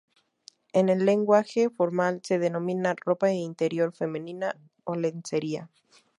En el lenguaje formal se denomina "ropa interior femenina" o "lencería".